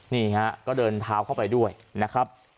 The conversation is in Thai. นี่ฮะก็เดินเท้าเข้าไปด้วยนะครับ